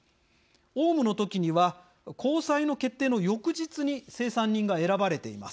オウムの時には高裁の決定の翌日に清算人が選ばれています。